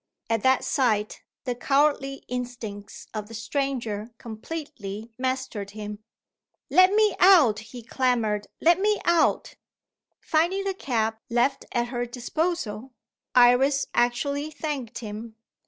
At that sight, the cowardly instincts of the stranger completely mastered him. "Let me out!" he clamoured; "let me out!" Finding the cab left at her disposal, Iris actually thanked him!